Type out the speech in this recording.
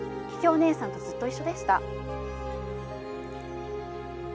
桔梗姐さんとずっと一緒でした。